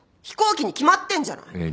飛行機に決まってんじゃない。